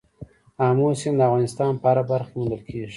آمو سیند د افغانستان په هره برخه کې موندل کېږي.